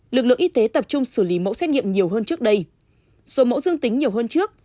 lực lượng y tế tập trung xử lý mẫu xét nghiệm nhiều hơn trước đây số mẫu dương tính nhiều hơn trước